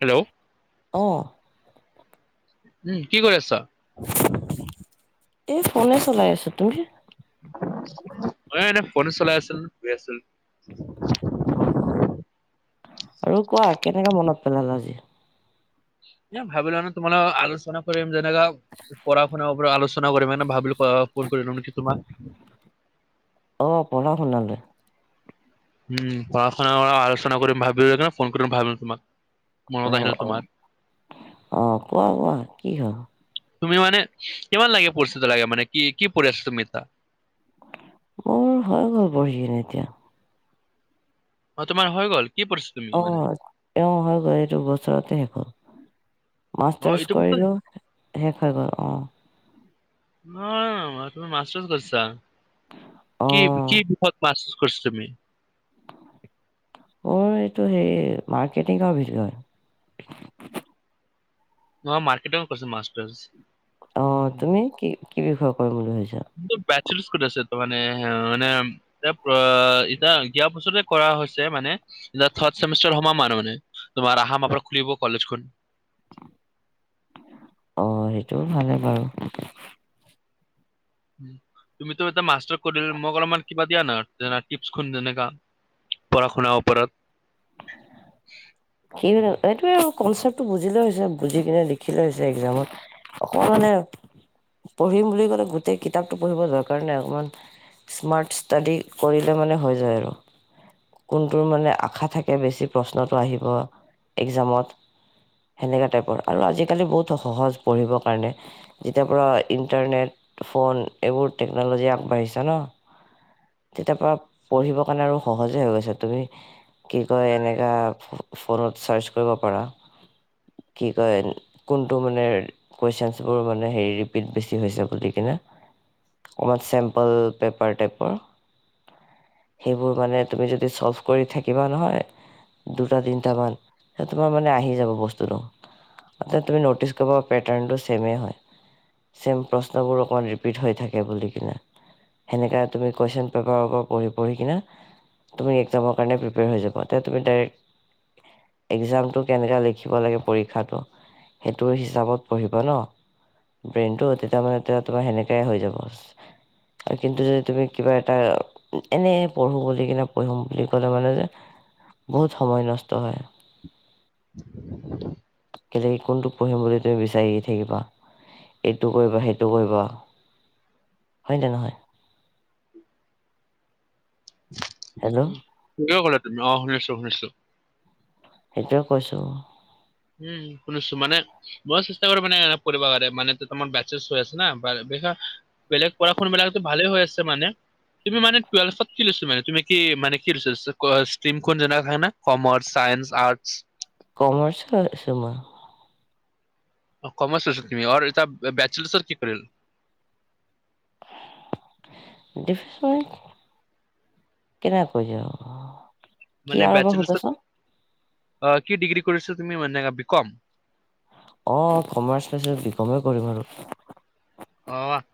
Hello অ উম কি কৰি আছ এই ফোনে চলাই আছোঁ তুমি? অ এনে ফোন চলাই আছিলোঁ শুই আছিলোঁ। অ আৰু কোৱা কেনেকে মনত পেলালা আজি। এ ভাবিলা নে তোমা লগত আলোচনা কৰিম যেনেকা পঢ়া শুনা ওপৰত আলোচনা একো নকৰি মানে ভাবিলোঁ ফোন কৰিলোঁ নেকি তোমাক। অ পঢ়া শুনালে। উম পঢ়া শুনা কৰা আলোচনা কৰিম ভাবিল ফোন কৰিম ভাবিলোঁ তোমাক। অ মনত আহিল অ তোমাৰ। অ কোৱা কোৱা কি হ'ল তুমি মানে কিমান লাগে পৰিস্থিত লাগে মানে কি কি পৰি আছা তুমি তাত। মোৰ হৈ গ'ল বঢ়িয়া এতিয়া। অ তোমাৰ হৈ গ'ল কি তুমি অ মানে? এ হৈ গ'ল এইটো বছৰতে শেষ হ'ল। অ মাষ্টাৰ্চ এইটো কৰিলোঁ শেষ হৈ গ'ল অ। ন তুমি মাষ্টাৰ কৰিছা? অ কি কি বিষয়ত পাছ কৰিছ তুমি? অ এইটো সেই মাৰ্কেটিংৰ ভিতৰত ম মাৰ্কেটিং কৰিছ মাষ্টাৰ। অ তুমি কি কি বিষয়ে কৰিম বুলি ভাবিছা? তোৰ বেতচলিচ ক'ত আছে তো মে মানে এয়া এতিয়া দিয়াৰ বছৰতে কৰা হৈছে মানে এতি থাৰ্ড চেমিষ্টাৰ সোমাম আৰু মানে। তোমাৰ আহা মাহত খুলিব কলেজখন। অ সেইটোও ভালে বাৰু। তুমিতো এটা মাষ্টাৰ কৰিল মোক অলপমান কিবা- দিয়া না টিপছখন যেনেকা পঢ়া -শুনা উপৰত কিনো সেইটোৱে আৰু কনচেপ্টটো বুজিলে হৈছে বুজি কিনে লিখিলে হৈছে একজামত। অক মানে পঢ়িম বুলি ক'লে গোটেই কিতাপটো পঢ়িব দৰকাৰ নাই অকমান। স্মাৰ্ট ষ্টাডি কৰিলে মানে হৈ যায় আৰু। কোনটোৰ মানে আশা থাকে বেছি প্ৰশ্নটো আহিব একজামত। সেনেকুৱা টাইপৰ আৰু আজিকালি বহুত সহজ পঢ়িবৰ কাৰণে। যেতিয়াৰ পৰা ইণ্টাৰনেট ফোন এইবোৰ টেকন'লজি আগবাঢ়িছা ন। তেতিয়াৰ পৰা পঢ়িব কাৰণে আৰু সহজে হৈ গৈছে তুমি কি কয় এনেকা ফোনত চাৰ্চ কৰিব পাৰা। কি কয় কোনটো মানে। কুৱেশচবোৰ মানে হেৰি ৰিপিট বেছি হৈছে বুলি কিনে। অকণমান চেম্পল পেপাৰ টাইপৰ। সেইবোৰ মানে তুমি যদি চ'ল্ভ কৰি থাকিবা নহয়। দুটা তিটা মান তোমাৰ মানে আহি যাব বস্তুটো। এটা তুমি ন'টিচ কৰিবা পেটাৰ্টো ছেমে হয়। চেম প্ৰশ্নবোৰ অকণমান ৰিপিট হৈ থাকে বুলি কিনে। সেনেকা তুমি কুৱেশ্যন পেপাৰৰ পৰা পঢ়ি পঢ়ি কিনে। তুমি একজামৰ কাৰণে প্ৰিপেয়াৰ হৈ যাবা তেতিয়া তুমি ডাইৰেকট। এক্জামটো কেনেকা লিখিব লাগে পৰীক্ষাটো। সেইটো হিচাপত পঢ়িবা ন। ব্ৰেইনতটো তেতিয়া মানে তোমাৰ সেনেকাই হৈ যাব। আৰু কিন্তু যদি তুমি কিবা এটা। এনে পঢ়ো বুলি কিনে পঢ়ো বুলি ক'লে মানে যে বহুত সময় নষ্ট হয়। [unintelligible] কেলে কি, কোনটোক পঢ়িম বুলি তুমি বিচাৰে থাকিবা, এইটো কৰিবা সেইটো কৰিবা', হয় নে নহয়? হেল্ল' উম', কিয় ক'লে ত', - অ', শুনিছোঁ শুনিছোঁ', সেইটোৱে কৈছোঁ', উম', -উম', শুনিছোঁ মানে', মই চেষ্টা কৰোঁ, মানে পঢ়িব কাৰণে মান ত', -মোৰ বেচেছ হৈ আছে ন বা', বেকাৰ অহ', বেলেগ পঢ়া-শুন বিলাকতো ভালে হৈ আছে মানে', তুমি মানে টুৱেলফত কি লৈছোঁ, মানে তুমি কি মানে কি লৈছা ষ্টমখন যেনেকা থাকে না? Commerce, science, arts',? কমাৰ্চকে লৈছোঁ মই', অ', কমাৰ্চ লৈছা তুমি, অৰ এটা বেচেলাৰছৰ কি কৰিল? দেখো', কেনেকা কয় যাব? অহ', মানে বেচেলাৰছৰ, কি ডিগ্ৰী কৰিছোঁ তুমি মানে বি কম? অ', -অ', কমাৰ্চ লৈছোঁ, বি কমেই কৰিম আৰু', অহ',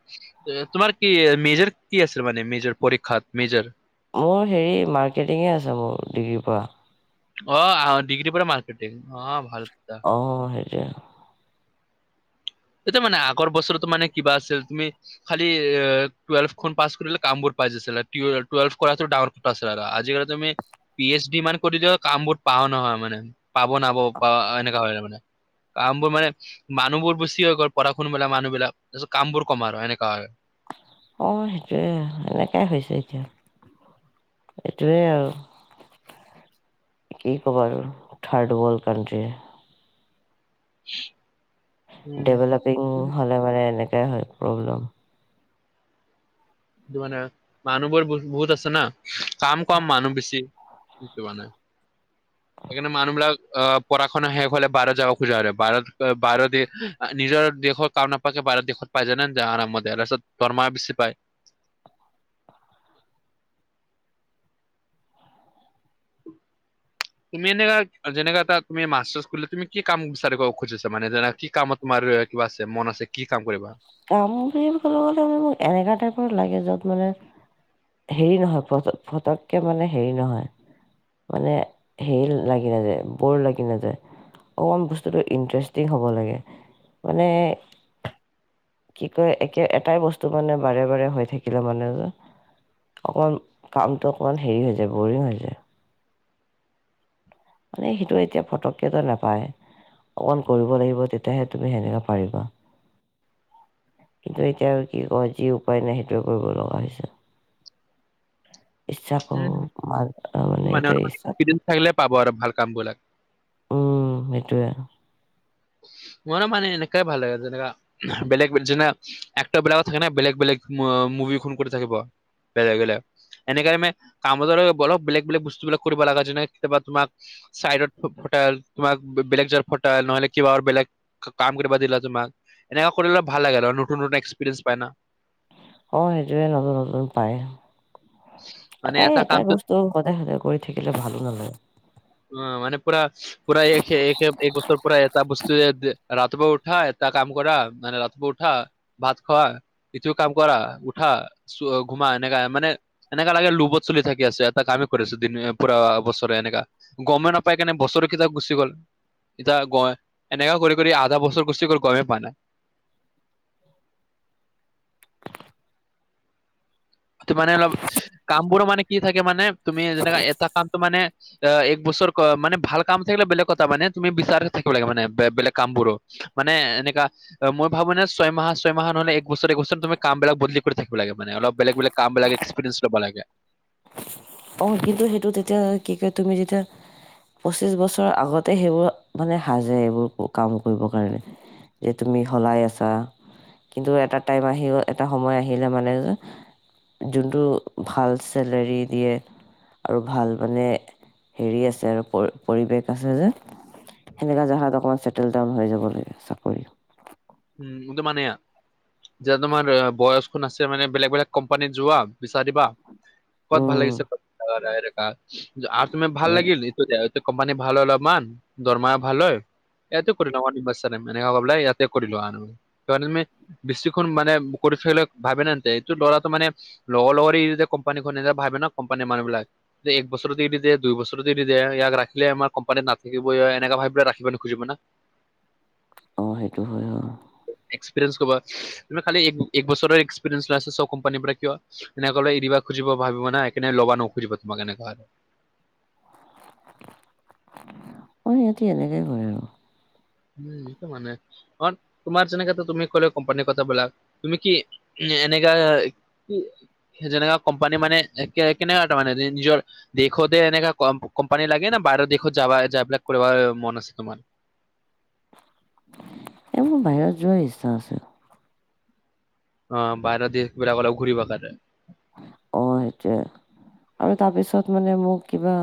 তোমাৰ কি মেজৰ কি আছিল মানে মেজৰ পৰীক্ষাত মেজৰ? অহ', হেৰি মাৰ্কেটিঙে আছে মোৰ ডিগ্ৰীৰ পা', অহ', -অ', ডিগ্ৰীৰ পৰা মাৰ্কেটিং অ', ভাল কথা', অহ', সেইটোৱে আকৌ', এইটো মানে আগৰ বছৰতো মানে কিবা আছিল তুমি', খালি টুৱেলভখন পাছ কৰিলে কামবোৰ পাই যাইছিলে টুৱেলভ কৰাটো ডাঙৰ', পাছ আৰু আজিকালি তুমি? পি এইচ ডি মান কৰিলোঁ কাম বোৰ পাওঁ নহয় মানে, পাব নাব পা এনেকা হয় মানে', কামবোৰ মানে, মানুহবোৰ বেছি হৈ গ'ল পঢ়া শুন মেলা মানুহ বিলাক, তাৰপিছত কাম বোৰ কম আৰু এনেকা হয়', অঁ', সেইটোৱে, এনেকাই হৈছে এতিয়া, এইটোৱে আৰু', কি ক'বা আৰু, থাৰ্ড ৱৰ্ল্ড কান্ট্ৰী', উ', ডেভলপিং হ'লে মানে এনেকাই হয় প্ৰব্লেম', সেইটো মানে, মানুহ বোৰ বহু', -বহুত আছে না কাম কম মানুহ বেছি, সেইটো মানে', সেইকাৰণে মানুহবিলাক আহ', পঢ়া-শুনা শেষ হ'লে বাহিৰত যাবা খোজা হয় বাহিৰত অহ', বাহিৰত দি', অহ', নিজৰ দেশৰ কাম নাপাকে বাহিৰত দেশত পাই যায় জানান জা', আৰামত তাৰপিছত দৰমহ বেছি পায়', উম', তুমি এনেকা, যেনেকা এটা তুমি মাষ্টাৰ খুলিলে, তুমি কি কাম বিচাৰিব খুজিছা মানে যেনে কি কামত? তোমাৰ কিবা আছে মন আছে কি কাম কৰিবা? কাম বুলি ক'লে মানে, মোক এনেকুৱা টাইপৰ লাগে য'ত মানে', হেৰি নহয় ফট', - ফটককে মানে হেৰি নহয়', মানে হেৰি লাগি নাযায়, বোৰ লাগি নাযায়', অকণমান বস্তুটো ইণ্টাৰেষ্টিং হ'ব লাগে, মানে', কি কয়, একে এটাই বস্তু মানে বাৰে বাৰে হৈ থাকিলে মানে যে', অকণমান কামটো অকণমান হেৰি হৈ যায়, বোৰিং হৈ যায়', মানে সেইটো এতিয়া ফটককে টো নাপায়', অকমান কৰিব লাগিব তেতিয়াহে তুমি সেনেকে পাৰিবা', কিন্তু এতিয়া কি কয়? যি উপায় নাই সেইটোৱে কৰিব লগা হৈছে', ইচ্ছা কোৰো উম, মা', - মানে এইটোৱে অলপ ইচ্ছা কো', এক্সপিৰিয়েঞ্চ থাকিলে পাব আৰু ভাল কামবিলাক। উম', -উম', সেইটোৱে আৰু ', মোৰো মানে এনেকুৱাই ভাল লাগে যেনেকা বেলেগ বেলে', যেনা', এক্টৰ বেলেগ থাকে না, বেলেগ বেলেগ মুভি খন কৰি থাকিব বেলেগ বেলেগ', এনেকে আমি, কাম ধৰা, [unintelligible] বেলেগ, বেলেগ বস্তুবিলাক কৰিব লগা, যেনেকে কেতিয়াবা তোমাক চাইডৰ পঠাল। তোমাক, বেলেগ জেগাত পঠাল, নহ'লে কিবা আৰু বেলেগ, কাম কৰিব দিলা তোমাক? এনেকুৱা কৰিলে ভাল লাগে আৰু নতুন নতুন এক্সপিৰিয়েঞ্চ পায় না! অ', সেইটোৱে নতুন নতুন পায় হা', মানে এটাই এটা এটাই কামটো বস্তু', সেইটো সদায় সদায় কৰি থাকিলে ভালো নালাগে', অ', মানে পুৰা', পুৰা এক হে, একে, একবছৰ পৰা এটা বস্তুৱে, ৰাতিপুৱা উঠা, এটা কাম কৰা মানে, ৰা উঠা, ভাত খোৱা। ইটো কাম কৰা? উঠা, ঘুমা। এনেকা মানে এনেকা লাগে, লোভত চলি থাকি আছে। এটা কামেই কৰি আছোঁ, দিনে পুৰা বছৰে এনেকা। গমেই নাপাই কেনে। বছৰে কেইটা গুচি গ'ল। এতিয়া, [unintelligible] এনেকা কৰি, কৰি আধা বছৰ গুছি গ'ল। গমে পোৱা নাই। এইটো মানে, অলপ কাম বোৰো মানে, কি থাকে মানে, তুমি যেনেকা এটা কামটো মানে অ'! এক বছৰ মানে, ভাল কাম থাকিলে, বেলেগ কথা মানে, তুমি বিচাৰি থাকিব লাগে মানে, বেলেগ কাম বোৰো। মানে, এনেকা মই ভাবোঁ ন'! ছয় মাহ, ছয় মাহ নহ'লে, এক বছৰে, বছৰে তুমি কাম বিলাক বদলি কৰি থাকিব লাগে। মানে, অলপ বেলেগ- বেলেগ কামবিলাক এক্সপেয়েঞ্চ ল'ব লাগে। অ'! কিন্তু, সেইটো তেতিয়া, কি কয়! তুমি যেতিয়া পঁচিশ বছৰৰ আগতে, সেইবোৰ মানে, সাজে কাম কৰিবৰ কাৰণে। এতিয়া তুমি সলাই আছা? কিন্তু, এটা টাইম আহিব, এটা সময় আহিলে মানে, যে, যোনটো ভাল চেলেৰী দিয়ে আৰু ভাল মানে, হেৰি আছে আৰু পৰি, পৰিৱেশ আছে যে। সেনেকা জাগাত অকণমান, চেটেল ডাউন হৈ যাব লাগে চাকৰিত। উম! এইটো মানে যোৱা? তোমাৰ, বয়স [unintelligible] আছে মানে, বেলেগ -বেলেগ কোম্পানীত যোৱা, বিচাৰিবা? ক'ত ভাল উম লাগিছে? দাইৰেক্ট আৰু তুমি ভাল অ', লাগিল? [unintelligible] এইটো কোম্পানী ভাল হয় অলপমান, দৰমহা ভাল হয়। ইয়াতে কৰি লোৱা নিৰ্বাচেনেম? ‌এনেকা কৰিব লাগে। ইয়াতে কৰি লোৱা আৰু? [unintelligible] [unintelligible] এইটো, ল'ৰাটো মানে লগৰ -লগৰী যেতিয়া কোম্পানী খোলে ভাবে ন'! কোম্পানীৰ মানুহবিলাকে। যে, এক বছৰতে এৰি দিয়ে, দুই বছৰতে এৰি দিয়ে। ইয়াক, ৰাখিলে আমাৰ কোম্পানী নাথাকিবই। এনেকুৱা ভাবি পিনে ৰাখিব নুখুজিব না? অ'! সেইটো হয়, অ'! এক্সপিৰিয়েঞ্চ ক'বা, তুমি খালি, এক বছৰৰ এক্সপিৰিয়েঞ্চ [unintelligible] কোম্পানীৰ পৰা কিয় এনেকে ক'লে এৰিদিবা। খুজিব, ভাবিব না! এই কাৰণে ল'ব নুখুজিব তোমাক, এনেকুৱা হ'লে। অ'! সিহঁতি এনেকে কয় আৰু। উম! সেইটো মানে, অ'! তোমাৰ যেনেকে, তুমি ক'লে, কোম্পানীৰ কথাবিলাক তুমি কি? এনেকা, কি? যেনেকা কোম্পানী মানে, কেনেকা মানে, নিজৰ দেশতে এনেকা কোম্পানী লাগে ন'? বাহিৰৰ দেশত যাবা? যাই পেলাই কৰিব মন আছে তোমাৰ? এই, মোৰ বাহিৰত যোৱাৰ ইচ্ছা আছে। অ'! বাহিৰৰ দেশবিলাক অলপ ঘূৰিব কাৰণে। অ'! সেইটোৱে! আৰু তাৰপিছত মানে, মোক কিবা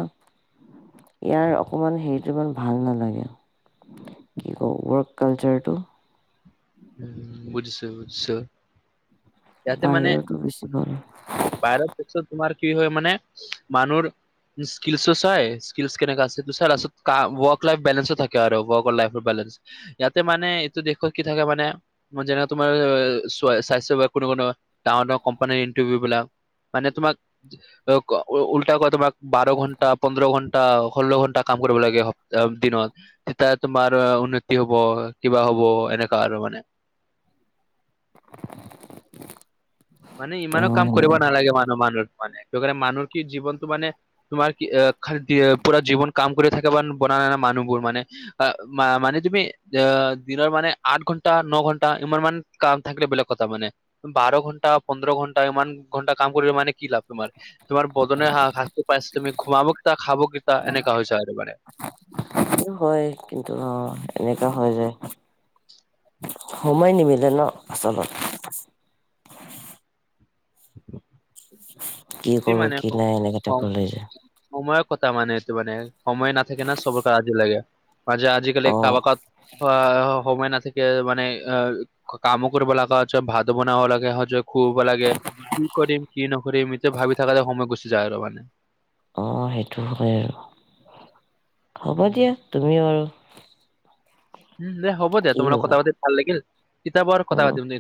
ইয়াৰ অকমান, হেৰিটো ইমান ভাল নালাগে! কি ক'ম! ৱৰ্ক কালচাৰটো। উম! বুজিছোঁ, বুজিছোঁ। বাহিৰৰতো বেছি ভাল! বাহিৰততো চব তোমাৰ, কি হয় মানে, মানুহৰ স্কিলচো চাই, স্কিল কেনেকা আছে সেইতো চাই। তাৰপিছত, ৱৰ্ক লাইফ বেলেঞ্চো থাকে আৰু ৱৰ্কৰ লাইফৰ বেলেঞ্চ। ইয়াতে মানে, এইটো দেশত কি থাকে মানে মই, যেনে তোমাৰ, স্বাস্থ্য বা কোনো -কোনো, ডাঙৰ -ডাঙৰ কোম্পানীৰ ইন্টাৰভিউ বিলাক মানে তোমাক অ'- উল্টা কোৱা তোমাক, বাৰ ঘণ্টা, পোন্ধৰ ঘণ্ টাও ষোল্ল ঘন্টা কাম কৰিব লাগে হ- একদিনত। তেতিয়া তোমাৰ উন্নতি হব, কিবা হ'ব, এনেকুৱা আৰু মানে। মানে ইমানো অ', কাম সেনেকে কৰিব নালাগে মানুহ- মানুহৰ মানে। টো কাৰণে মানুহৰ কি জীৱনটো মানে তোমাৰ কি? অ'! খালি পুৰা জীৱন কাম কৰি থাকিবা, [unintelligible] মানুহবোৰ মানে। অ'! মানে, তুমি অ'! দিনৰ মানে, আঠ ঘন্টা, ন ঘন্টা ইমান মান কাম থাকিলে বেলেগ কথা মানে। বাৰ ঘণ্টা পোন্ধৰ ঘণ্টা, ইমান ঘণ্টা কাম কৰিলে মানে, কি লাভ তোমাৰ? তোমাৰ [unintelligible] পাইছে। তুমি ঘুমাব টা খাব কেইটা, এনেকা হৈছে আৰু মানে। সেইটো হয়। কিন্তু অ, এনেকুৱা হৈ যায়। সময় নিমিলে ন' আচলত [inaudible] কি সেইটোৱে কৰোঁ, কি নাই এনেকে ত মানে [unintelligible] সময়ৰ কথা মানে এইটো মানে। সময় নাথাকে ন' চবৰ কাৰণে আজি [unintelligible] মাজে আজিকালি অ', কাৰবা কত অ'- সময় নাথা কে মানে অ' কামো কৰিব লগা হৈছে, ভাত বনাব লগা হৈছে, শুব লাগে কি কৰিম, কি নকৰিম, এইটো ভাবি থাকোঁতে সময় গুচি যায় আৰু মানে। অ' সেইটো হয় আৰু। হ'ব উম, দিয়া, তুমিও আৰু উম দে, হ'ব দে। কি তোমাৰ লগত হ'বা কথা পাতি ভাল লাগিল। কেতিয়াবা আৰু কথা অ', পাতিম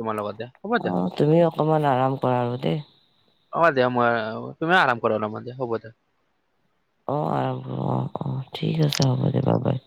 তোমাৰ লগতে হ'ব দিয়া। অ', তুমিও অকমান আৰাম কৰা আৰু দেই। অ' দিয়া। মই- তুমি আৰাম কৰা অলপমান দিয়া, হ'ব দে। অ' আৰাম কৰোঁ, অ' - অ'। ঠিক আছে। হ'ব দে, বা-বাই।